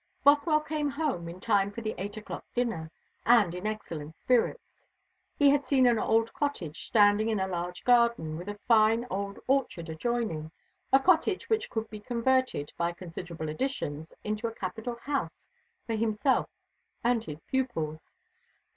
Bothwell came home in time for the eight o'clock dinner, and in excellent spirits. He had seen an old cottage standing in a large garden, with a fine old orchard adjoining, a cottage which could be converted, by considerable additions, into a capital house for himself and his pupils.